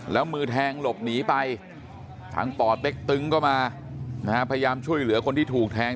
แล้วมือแทงหลบหนีไปทางป่อเต็กตึงก็มานะฮะพยายามช่วยเหลือคนที่ถูกแทง